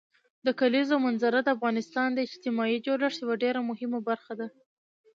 د کلیزو منظره د افغانستان د اجتماعي جوړښت یوه ډېره مهمه برخه ده.